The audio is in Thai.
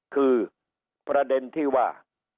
คือประเด็นที่ว่า